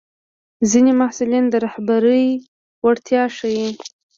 ځینې محصلین د رهبرۍ وړتیا ښيي.